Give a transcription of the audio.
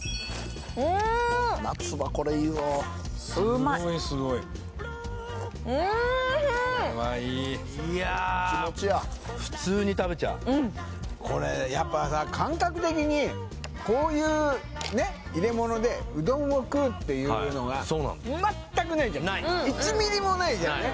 うん・夏はこれいいぞ・すごいすごいおいしい・これはいいいやあ・普通に食べちゃうこれやっぱさ感覚的にこういうねっ入れ物でうどんを食うっていうのが全くないじゃない１ｍｍもないじゃんね